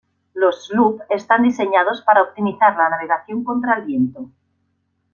Los sloop están diseñados para optimizar la navegación contra el viento.